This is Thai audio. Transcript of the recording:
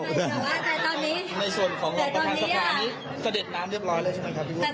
แต่ตอนนี้แต่ตอนนี้อ่ะในส่วนของห่วงประธานสถานีก็เด็ดน้ำเรียบร้อยแล้วใช่ไหมครับพี่พุทธ